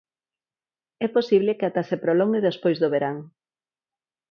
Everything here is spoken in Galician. E posible que ata se prolongue despois do verán.